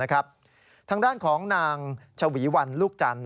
ทางด้านของนางชวีวันลูกจันทร์